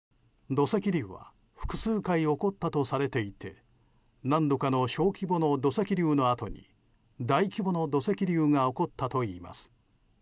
土石流は複数回起こったとされていて何度かの小規模の土石流のあとに大規模な土石流が起こったといいます。